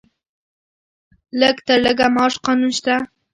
د لږ تر لږه معاش قانون شته؟